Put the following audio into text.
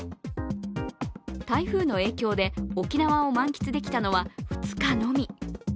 台風の影響で沖縄を満喫できたのは２日のみ。